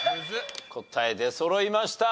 答え出そろいました。